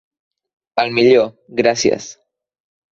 El millor. Gràcies.